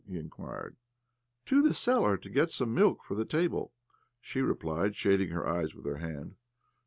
" he inquired. " To the cellar to get some milk for the table," she replied, shading her eyes with her hand.